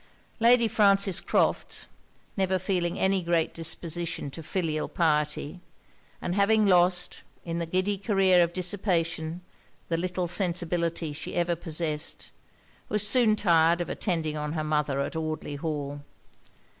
Lady Frances Crofts, never feeling any great disposition to filial piety, and having lost, in the giddy career of dissipation, the little sensibility she ever possessed, was soon tired of attending on her mother at Audley Hall.